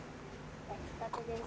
焼きたてです。